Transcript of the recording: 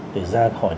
để ra khỏi